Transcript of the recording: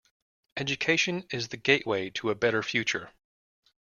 Education is the gateway to a better future.